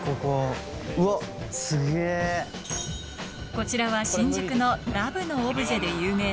こちらは新宿の『ＬＯＶＥ』のオブジェで有名な